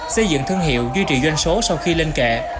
xây dựng thương hiệu duy trì doanh số sau khi lên kệ